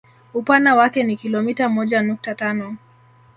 Upana wake ni kilomita moja nukta tano